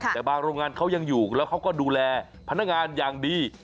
แต่บางโรงงานเขายังอยู่แล้วเขาก็ดูแลพนักงานอย่างดี